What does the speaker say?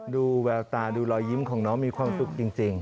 ดูแววตาดูรอยยิ้มของน้องมีความสุขจริง